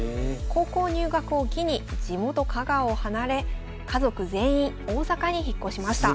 高校入学を機に地元・香川を離れ家族全員大阪に引っ越しました。